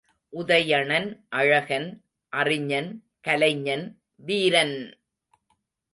உதயணன் அழகன், அறிஞன், கலைஞன், வீரன்!